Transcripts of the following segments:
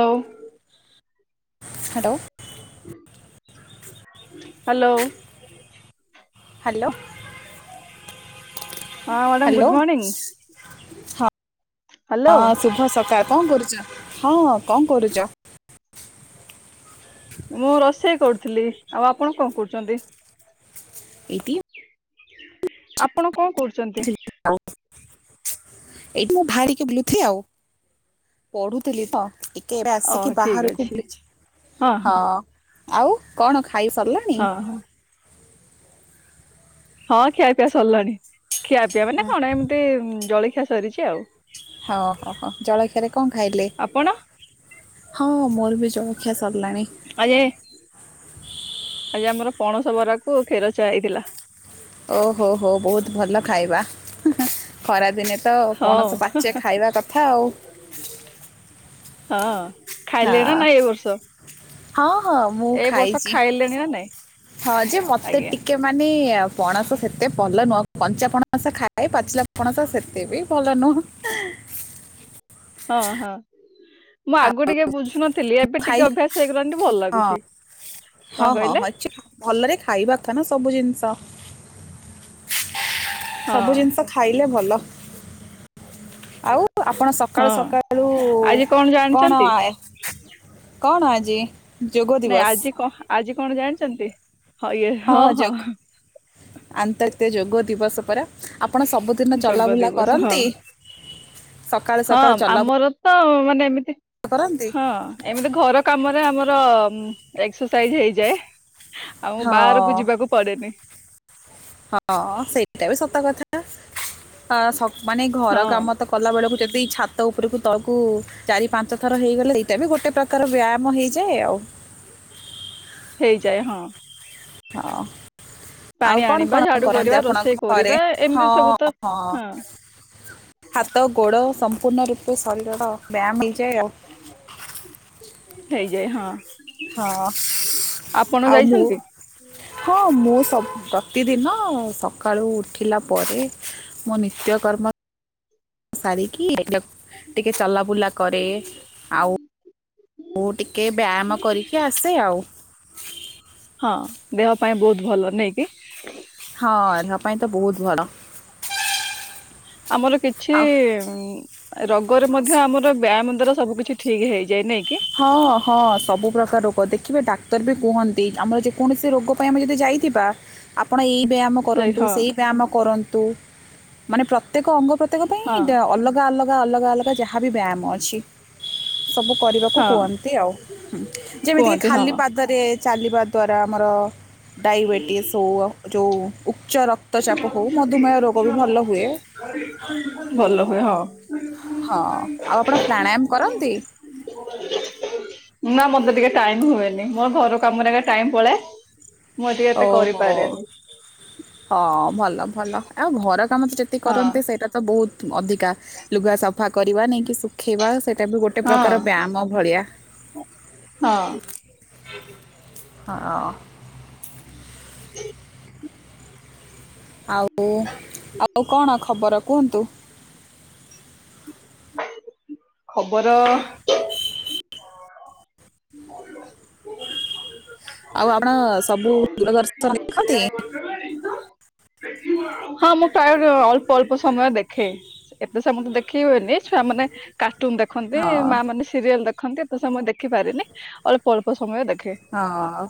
ହଉ। Hello. Hello. Hello. ହଁ madam hello good morning ହ ହ୍ୟାଲୋ ହଁ ଶୁଭ ସକାଳ। କଣ କରୁଛ ହଁ କଣ କରୁଛ? ମୁଁ ରୋଷେଇ କରୁଥିଲି ଆଉ ଆପଣ କଣ କରୁଛନ୍ତି? ଏଇଠି ଆପଣ କଣ କରୁଛନ୍ତି? [unintelligible] ପଢୁଥିଲି ତ ଆଉ। କେବେ ଓ ଆସିକି ଠିକ୍ ବାହାରକୁ ଅଛି ବୁଲି ହଁ ଆଉ କଣ ଖା ଖାଇ ସର୍ ଲାଣି? ହଁ ହଁ ହଁ ଖିଆ ପିଆ ସରିଲାଣୀ। ଖିଆ ପିଆ ମାନେ କଣ ଏମିତି ଜଳି ଖିଆ ସରିଛି ଆଉ ହଁ ହୋ ହୋ ଜଳଖିଆରେ କଣ ଖାଇଲେ? ଆପଣ ହଁ ମୋର ବି ଚଳ ଆ ଇ ଏ ଆଜି ଆମର ପଣସ ବରା କୁ କ୍ଷୀର ଚା ହେଇଥିଲା। ଓହୋ ହୋ ହୋ ବୋହୁତ ଭଲ ଖାଇବା। ଖରାଦିନେ ତ ହଁ ପଣସ ପାଚେ ଖାଇବା କଥା ଆଉ ହଁ। ହଁ ଖାଇଲେଣି ନା ନାଇଁ ଏ ବର୍ଷ ହଁ ହଁ ମୁଁ ଏଇ ବର୍ଷ ଖାଇଛି ଖାଇଲେଣି ନା ନାଇଁ ହଁ ଯେ ମତେ ଆଜ୍ଞା ଟିକେ ମାନେ ଆ ପଣସ ସେତେ ଭଲ ନୁହଁ କଞ୍ଚା ପଣସ ଖାଏ ପାଚିଲା ପଣସ ସେତେ ବି ଭଲ ନୁହଁ ହଁ ହଁ ମୁଁ ଆଉ ଆଗରୁ ଟିକେ ବୁଝୁନଥିଲି ଏବେ ଖାଇ ଟିକେ ଅଭ୍ୟାସ ହେଇଗଲାଣି ଭଲ ହଁ ଲାଗୁଛି କଣ କହିଲେ ତ ନା ସବୁ ଜିନିଷ ହଁ ସବୁ ଜିନିଷ ଖାଇଲେ ଭଲ ଆଉ ଆପଣ ସକାଳୁ ହଁ ସକାଳୁ ଆଜି କଣ ଜାଣିଛନ୍ତି? କଣ ଆଜି ଯେ ନାଇଁ ଆଜି କଣ ଆଜି କଣ ଜାଣିଛନ୍ତି ହଁ ଯୋଗ ଆନ୍ତ ତେ ଯୋଗ ଦିବସ ପରା ଆପଣ ସବୁଦିନ ଯୋଗ ଚଲାବୁଲା ଦିବସ ହଁ କରନ୍ତି । ସକାଳୁ ସକାଳୁ ଚଲା ବୁଲା ଆମର ହଁ ମାନେ ଏମତି ହଁ ଏମିତି ଘର କାମରେ ଆମର ହୁଁ ଏକ୍ସର୍ ସାଇଜ୍ଜ୍ ହେଇଯାଏ। ଆଉ ମୁ ହଁ ବାହାରକୁ ଯିବାକୁ ପଡେନି ହଁ ସେଇଟା ବି ସତ କଥା ଆ ସ ମାନେ ଘର ହଁ କାମ ତ କଲା ବେଳକୁ ଯେ ଦ ଛାତ ଉପରକୁ ତଳକୁ ଚାରି ପାଞ୍ଚ ଥର ହେଇଗଲେ ଏଇଟା ବି ଗୋଟେ ପ୍ରକାର ବ୍ୟାୟାମ ହେଇଯାଏ ଆଉ ହେଇଯାଏ ହଁ। ହଁ। ପାଣି ଆଉ କଣ ଆଣିବା କଣ ଝାଡୁ କରନ୍ତି କରିବା ଆପଣ ରୋଷେଇ ଘରେ। କରିବା ଏମିତି ହଁ ସବୁ ତ ହଁ ହାତ ଗୋଡ ସମ୍ପୂର୍ଣ୍ଣ ରୂପେ ଶରୀରର ବ୍ୟାୟାମ ହେଇଯାଏ ଆଉ। ଯାଏ ହଁ। ହଁ ଆପଣ ଆଉ ମୁଁ ଯାଇଛନ୍ତି ହଁ ମୁଁ ସବୁ ପ୍ରତିଦିନ ସକାଳୁ ଉଠିଲା ପରେ ମୋ ନିତ୍ୟକର୍ମ ସାରି କି ଟିକେ ଚଲାବୁଲା କରେ। ଆଉ ମୁଁ ଟିକେ ବାଆମ କରିକି ଆସେ ଆଉ। ହଁ ଦେହ ପାଇଁ ବହୁତ ଭଲ ନାଇଁକି। ହଁ ଦେହ ପାଇଁ ତ ବହୁତ ବଡ। ଆମର କିଛି ରୋଗରେ ମଧ୍ୟ ଆମର ବ୍ୟାୟାମ ଦ୍ୱାରା ସବୁ କିିଛି ଠିକ୍ ହେଇଯାଏ ନାଇଁ କି ହଁ ହଁ ସବୁ ପ୍ରକାର ରୋଗ ଦେଖିବେ। ଡାକ୍ତର ବି କୁହନ୍ତି ଆମର ଯେକୌଣସି ରୋଗ ପାଇଁ ଆମେ ଯଦି ଯାଇଥିବା ଆପଣ ଏଇ ବ୍ୟାୟାମ ଯାଇ କରନ୍ତୁ ହଁ ସେଇ ବ୍ୟାୟାମ କରନ୍ତୁ। ତୁ ମାନେ ପ୍ରତି ପ୍ରତ୍ୟେକ ଅଙ୍ଗ ପ୍ରତ୍ୟଙ୍ଗ ପାଇଁ ହଁ ଅଲଗା ଅଲଗା ଅଲଗା ଅଲଗା ତ ଯାହାବି ବ୍ୟାୟାମ ଅଛି ସବୁ କରିବା ହଁ କୁହନ୍ତି ଆଉ ହୁଁ ଯେମିତିକି କୁହନ୍ତି ହଁ ଖାଲି ପାଦରେ ଚାଲିବା ଦ୍ୱାରା ଆମର ଡାଇବେଟିସ ହୋଉ ଯୋଉ ଉ ଭଲ ହୁଏ ଭଲ ହୁଏ ହଁ। ହଁ ଆଉ ଆପଣ ପ୍ରାଣାୟାମ କରନ୍ତି? ନା ମତେ ଟିକେ ଟାଇମ ହୁଏନି, ମୋ ଘର କାମରେ ଟାଇମ ପଳାଏ। ମୁଁ ଏତେ ଓହୋ କରିପାରେନି। ହଁ ଭଲ ଭଲ ଆଉ ବ ତମର ତ ଯେତିକି ହଁ କରନ୍ତି ସେଇଟା ତ ବହୁତ [unintelligible] କା ଲୁଗା ସଫା କରିବା ନେଇକି ସି ଖିବା ସେଇଟା ବି ଗୋଟେ ହଁ ପ୍ରକାର ବ୍ୟାୟାମ ଭଳିଆ। ହଁ [inaudible] ହଁଅ। [inaudible] ଆଉ ଆଉ କଣ ଖବର କୁହନ୍ତୁ? ଖବର ଆଉ ଆପଣ ସବୁ ଦୂରଦର୍ଶନ ଦେଖନ୍ତି? ହଁ ମୁଁ ପ୍ରାୟ ଅଳ୍ପ ଅଳ୍ପ ସମୟ ଦେଖେ ।ଏତେ ସମୟ ତ ଦେଖେଇ ହୁଏନି। ଛୁଆମାନେ କା ର୍ଟୁନ୍ ଦେଖନ୍ତି ହଁ ମା ମାନେ ସିରିଏଲ ଦେଖ ଖନ୍ତି, ଏତେ ସମୟ ଦେଖିପାରେନି ଅଳ୍ପ ଅଳ୍ପ ସ ହଁ ଆଉ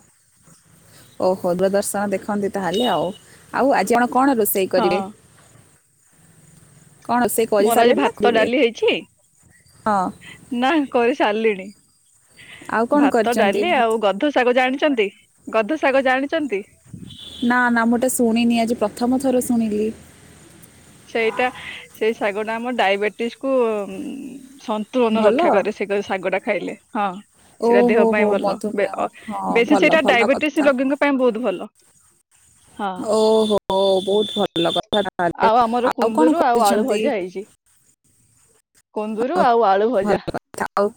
ଓହୋ ଦୂରଦର୍ଶନ ଦେଖ ଖନ୍ତି ତାହେଲେ ଆଉ ଆଉ ଆଜି ଆପ କଣ ରୋଷେଇ ହଁ କରିବେ? କ'ଣ ରୋଷେଇ ମୋର ଆଜି କରିସାରିଲେଣି ନା ଭାତ କରିବେ ଡାଲି ହେଇଛି, ହଁ ନା କରି ସାରିଲିଣି। ଆଉ କ'ଣ ଭାତ, କରିଛନ୍ତି ଡାଲି ଆଉ ଭାତ- ଗଧ ଶାଗ ଜାଣିଛନ୍ତି? ଗଧ ଶାଗ ଜାଣିଛନ୍ତି? ନା ନା ମୋଟେ ଶୁଣିନି, ଆଜି ପ୍ରଥମ ଥର ଶୁଣିଲି। ସେଇଟା ସେଇ ଶାଗ ଟା ଆମ ଡାଇବେଟିସ୍କୁ ସନ୍ତୁଳନ ରକ୍ଷା ଭଲ କରେ ସେ କରି ଶାଗଟା ଖାଇଲେ। ହଁ। ସେଇଟା ଦେହ ଓହୋ ହୋ ପାଇଁ ଭଲ। ବେ ମଧୁମେହ ଅ ହଁ ବେଶୀ ଭଲ ସେଇଟା ଭଲ ଡାଇବେଟିସ କଥା ରୋଗୀଙ୍କ ପାଇଁ ବହୁତ ଭଲ। ହଁ ଓହୋ ବହୁତ ଭଲ କଥା ତାହଲେ। ଆଉ ଆମର କୁନ୍ଦୁରୁ ଆଉ ଆଳୁ ଭଜା ହେଇଛି ।କୁନ୍ଦୁରୁ ଆଉ ଆଳୁ ଭଲ ଭଜା। କଥା ଆଉ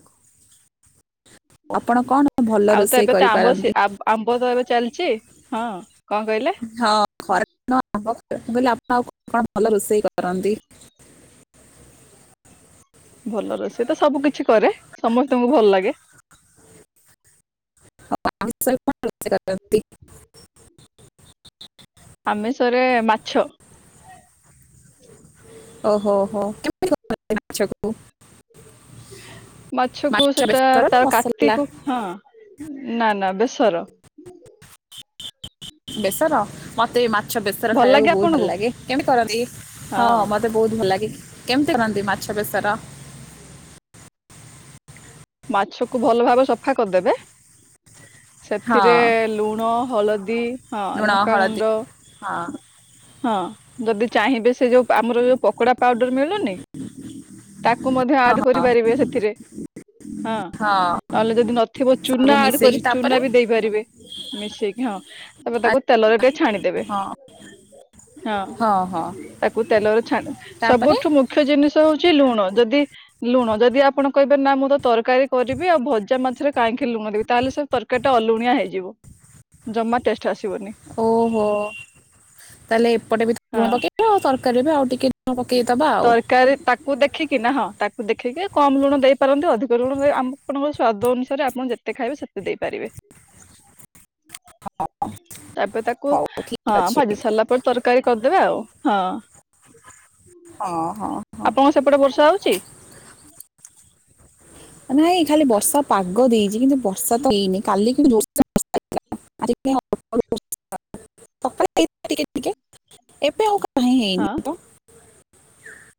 ଆପଣ କଣ କ ଆଉ ତ ଏବେ ତ ଆମ୍ବ ସି ଆମ୍ବ ତ ଏବେ। ଚାଲିଛି ହଁ। କଣ କହିଲେ ହଁ ଘର [unintelligible] ମୁଁ କହିଲି ଆପଣ ଆଉ କଣ ଭଲ ରୋଷେଇ କରନ୍ତି। ଭଲ ରୋଷେଇ ତ ସବୁ କିଛି କରେ। ସମସ୍ତଙ୍କୁ ଭଲ ଲାଗେ। [unintelligible] [unintelligible] ଆମିଷରେ ମାଛ। ଓହୋ ହୋ କେମିତି [unintelligible] ମାଛକୁ। ମାଛକୁ ମାଛ ସେଟା ବେସର ନା ତାର ମସଲା କାତିକୁ ହଁ। ନା ନା ବେସର। [unintelligible] ବେସର ମତେ ବି ମା ମାଛ ବେସର ଭଲ ଖାଇବାକୁ ଲାଗେ ବହୁତ ଭଲ ଆପଣଙ୍କୁ ଲାଗେ। କେମିତି କରନ୍ତି ହଁ ମତେ ବହୁତ ଭଲ ଲାଗେ କେମିତି କରନ୍ତି। ମାଛ [unintelligible] ମାଛ କୁ ଭଲ ଭାବରେ ସଫା କରିଦେବେ। ସେଥିରେ ହଁ ଲୁଣ। ହଳଦୀ। ହଁ ଲୁଣ, ଲଙ୍କାଗୁଣ୍ଡ ହଳଦୀ ହଁ। ହଁ, ଯଦି। ଚାହିଁବେ ସେ ଯୋଉ ଆମର ଯୋଉ ପକୋଡା ପାଉଡର ମିଳୁନି ତାକୁ ମଧ୍ୟ ହଁ ଆଡ ହଁ କରିପାରିବେ ସେଥିରେ। ହଁ, ହଁ ନହେଲେ ଯଦି ନଥିବ ସବୁ ଚୁନା ଆଡ ମିଶେଇକି କରି ଚୁନା ତାପରେ ବି ଦେଇପାରିବେ। ମିଶେଇକି ହଁ। ତାପରେ ଆ- ତାକୁ ତେଲରେ ଟିକେ ଛାଣିଦେବେ। ହଁ ହଁ, ତାକୁ ତେଲରେ ଛାଣି ତାପରେ ସବୁଠୁ ମୁଖ୍ୟ ଜିନିଷ ହଉଛି ଲୁଣ। ଯଦି, ଲୁଣ ଯଦି ଆପଣ କହିବେ ନା ମୁଁ। ତରକାରୀ କରିବି ଆଉ ଭଜା ମାଛରେ କାହିଁକି ଲୁଣ ଦେବି ତାହେଲେ ସବୁ ତରକାରୀ ଟା ଅଲୁଣିଆ ହେଇଯିବ ଜମାେ ଓହୋଃ ତାହେଲେ, ଏପଟେ ବି ଲୁଣ ହଁ। ପକେଇବି ଆଉ ତରକାରୀରେ ବି ଆଉ ଟିକେ। [unintelligible] ଆଉ ତରକାରୀ ତାକୁ ଦେଖିକି ନା ହଁ ତାକୁ ଦେଖିକି। କମ୍ ଲୁଣ ଦେଇପାରନ୍ତି। ଅଧିକ ଲୁଣ ଆପଣଙ୍କର ସ୍ଵାଦ ଅନୁସାରେ ଆପଣ ଯେତେ ଖାଇବେ ସେତେ ଦେଇପାରିବେ। ତାପରେ ତାକୁ ହଉ ଠିକ ହଁ ଅଛି ଭାଜି ସାରିଲା ପରେ ତରକାରୀ କରିଦେବା ଆଉ ହଁ। [inaudible] ହଁ ହଁ। ଆପଣଙ୍କ ସେପଟେ ବର୍ଷା ହଉଛି? ନାଇଁ ଖାଲି ବର୍ଷା ପାଗ ଦେଇଛି କିନ୍ତୁ [unintelligible] ହେଇନି। ହଁ [inaudible]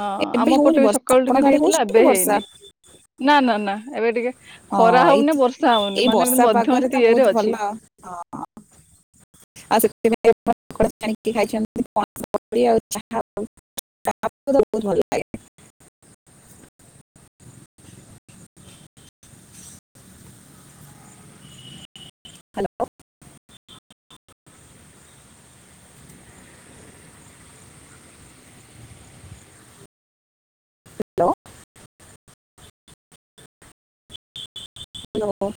ହଁ ଏବେ ଆମ ହଉନି ପଟେ ବି ବର୍ଷା ସକାଳୁ ଆପଣଙ୍କ ଟିକେ ଆଡେ ହେଇଥିଲା ହଉଛି କି ଏବେ ବର୍ଷା ହେଇନି। ନା ନା ନା ଏବେ ଟିକେ। ହଁ ଖରା ଏଇ ହଉନି ବର୍ଷା ହଉନି ଏଇ ମାନେ ଏମିତି ବର୍ଷା ପାଗରେ ତ ମଧ୍ୟସ୍ଥି ଇଏରେ ବହୁତ ଭଲ ଅଛି। ହଁ ଆଉ ସେ [unintelligible] ହ୍ୟାଲୋ। ହ୍ୟାଲୋ। ହ୍ୟାଲୋ।